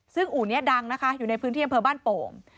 ซึ่งอู่นี้ดังนะคะอยู่ในพื้นที่อำเภอบ้านโป่ง